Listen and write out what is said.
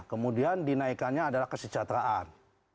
kemudian dinaikannya adalah kesejahteraan